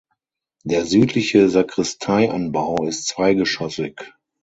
Der südliche Sakristeianbau ist zweigeschoßig.